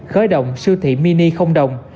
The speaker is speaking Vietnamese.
khởi động siêu thị mini không đồng